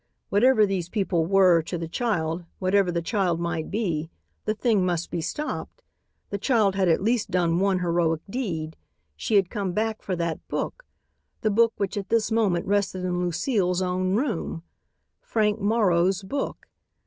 Whatever these people were to the child, whatever the child might be, the thing must be stopped. The child had at least done one heroic deed; she had come back for that book, the book which at this moment rested in Lucile's own room, Frank Morrow's book.